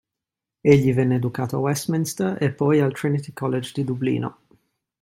Egli venne educato a Westminster e poi al Trinity College di Dublino.